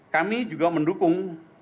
kami juga mendukung